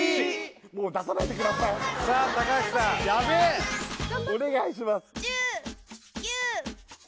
もう出さないでくださいさあ高橋さんヤベえお願いします